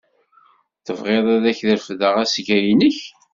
Tebɣiḍ ad ak-refdeɣ asga-nnek?